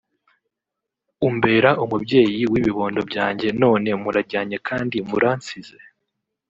umbera umubyeyi w’ibibondo byanjye none murajyanye kandi muransize